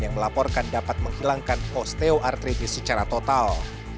yang melaporkan dapat menghilangkan osteoartritis secara total